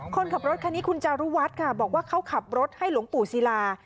คนขับรถคันนี้คุณจารุวัฒน์ค่ะบอกว่าเขาขับรถให้หลวงปู่ศิลา